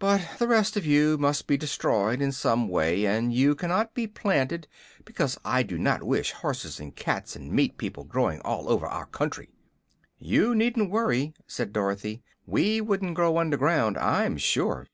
But the rest of you must be destroyed in some way, and you cannot be planted, because I do not wish horses and cats and meat people growing all over our country." "You needn't worry," said Dorothy. "We wouldn't grow under ground, I'm sure."